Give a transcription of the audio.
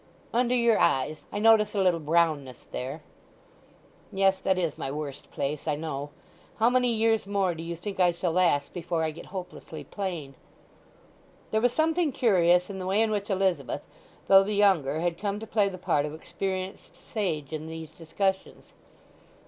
"Under your eyes—I notice a little brownness there." "Yes. That is my worst place, I know. How many years more do you think I shall last before I get hopelessly plain?" There was something curious in the way in which Elizabeth, though the younger, had come to play the part of experienced sage in these discussions.